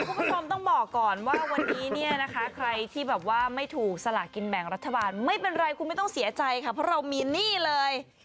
คุณผู้ชมต้องบอกก่อนว่าวันนี้เนี่ยนะคะใครที่แบบว่าไม่ถูกสลากินแบ่งรัฐบาลไม่เป็นไรคุณไม่ต้องเสียใจค่ะเพราะเรามีหนี้เลย